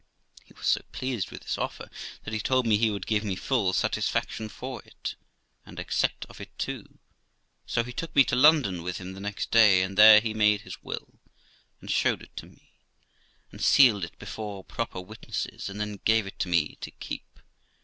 He was so pleased with this offer that he told me he would give me full satisfaction for it, and accept of it too; so he took me to London with him the next day, and there he made his will, and showed it to me, and sealed it before proper witnesses, and then gave it to me to keep.